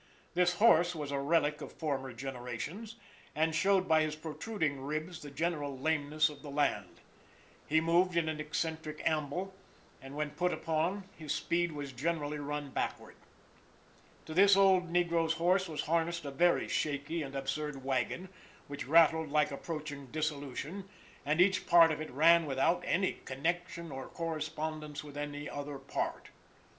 This horse was a relic of former generations, and showed by his protruding ribs the general leanness of the land. He moved in an eccentric amble, and when put upon his speed was generally run backward. To this old negro's horse was harnessed a very shaky and absurd wagon, which rattled like approaching dissolution, and each part of it ran without any connection or correspondence with any other part.